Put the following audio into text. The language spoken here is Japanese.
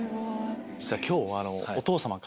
実は今日。